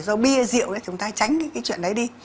do bia rượu chúng ta tránh cái chuyện đấy đi